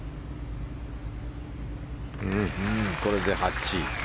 これで８。